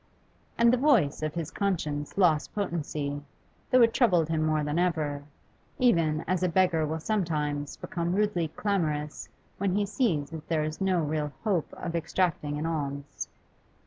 And the voice of his conscience lost potency, though it troubled him more than ever, even as a beggar will sometimes become rudely clamorous when he sees that there is no real hope of extracting an alms.